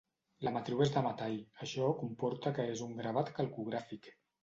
La matriu és de metall; això comporta que és un gravat calcogràfic.